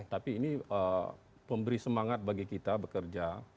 tapi ini pemberi semangat bagi kita bekerja